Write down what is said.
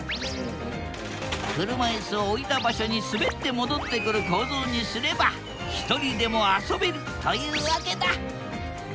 車いすを置いた場所にすべって戻ってくる構造にすればひとりでも遊べるというわけだ。